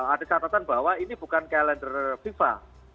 ada catatan bahwa ini bukan kalender fifa